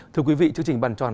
thưa quý vị chương trình bàn tròn